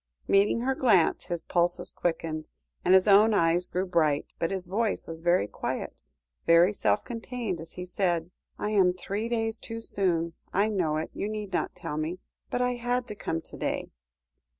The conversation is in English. Meeting her glance, his pulses quickened, and his own eyes grew bright; but his voice was very quiet, very self contained, as he said "I am three days too soon I know it, you need not tell me. But I had to come to day."